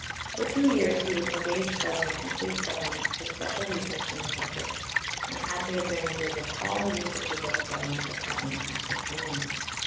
For two years he was engaged by the United States Government for special research in the subject, and had the advantages of all the resources of a government department at his com mand.